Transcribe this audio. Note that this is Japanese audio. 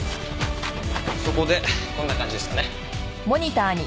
そこでこんな感じですかね。